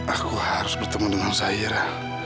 aku harus bertemu dengan sayara